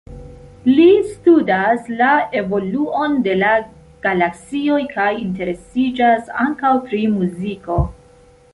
Li studas la evoluon de la galaksioj kaj interesiĝas ankaŭ pri muziko.